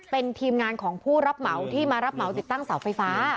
เป็นทีมงานของผู้รับเหมาที่มารับเหมาติดตั้งเสาไฟฟ้า